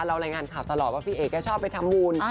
เรารายงานข่าวตลอดว่าพี่เอกค่อยชอบทำบุญ